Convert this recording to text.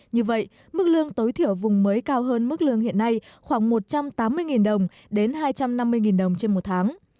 như vậy mức lương tối thiểu vùng mới cao hơn mức lương hiện nay khoảng một trăm tám mươi đồng đến hai trăm năm mươi đồng trên một tháng